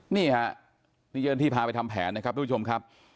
นี่ที่เธอนี่พาไปทำแผนนะครับทุกคนคุณผมครับ